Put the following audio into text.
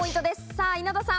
さぁ稲田さん。